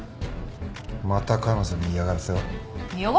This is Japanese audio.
また彼女に嫌がらせを？